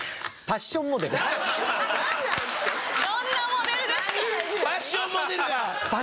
パッションモデルです。